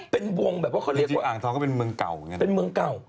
มาเป็นวงเลยจริงอ่างทองก็เป็นเมืองเก่าอย่างนั้นเป็นเมืองเก่า